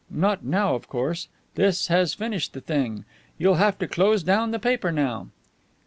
Not now, of course. This has finished the thing. You'll have to close down the paper now."